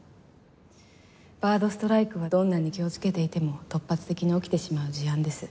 バードストライクはどんなに気をつけていても突発的に起きてしまう事案です。